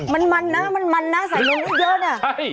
มันมันนะมันนะใส่ลงนิดเยอะเนี่ย